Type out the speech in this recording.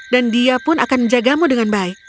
dan dia pun akan menjagamu dengan baik